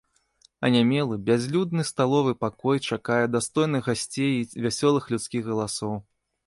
Анямелы, бязлюдны сталовы пакой чакае дастойных гасцей і вясёлых людскіх галасоў.